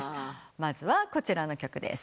まずはこちらの曲です。